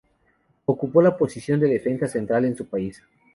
Ocupó la posición de defensa central en su país.